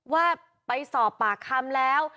ว่าไปสอบปากคำแล้ว